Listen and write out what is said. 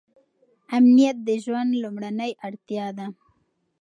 امنیت د ژوند لومړنۍ اړتیا ده.